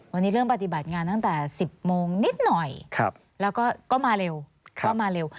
วันนี้เรื่องปฏิบัติงานตั้งแต่๑๐โมงนิดหน่อยแล้วก็มาเร็ว